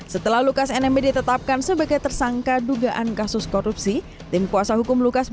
setelah lukas nmb ditetapkan sebagai tersangka dugaan kasus korupsi tim kuasa hukum lukas